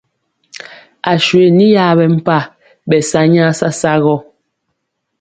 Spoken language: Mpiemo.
Aswe ni yaɓɛ mpa, ɓɛ sa nyaa sasa gɔ.